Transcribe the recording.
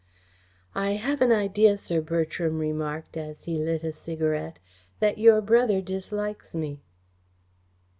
"I have an idea," Sir Bertram remarked, as he lit a cigarette, "that your brother dislikes me."